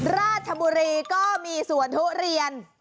ราชบุรีก็มีสวนทุเรียน